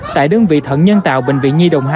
tại đơn vị thần nhân tạo bệnh viện di đồng hai